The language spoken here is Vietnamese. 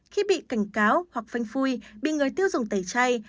khi bị cảnh cáo hoặc phanh phui bị người tiêu dùng tẩy chay